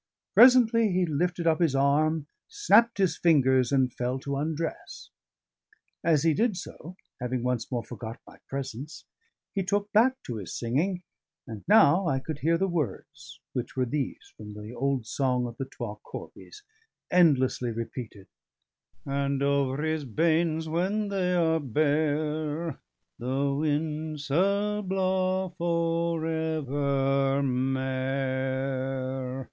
Presently he lifted up his arm, snapped his fingers, and fell to undress. As he did so, having once more forgot my presence, he took back to his singing; and now I could hear the words, which were these from the old song of the "Twa Corbies" endlessly repeated: "And over his banes when they are bare The wind sall blaw for evermair!"